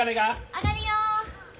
上がるよ。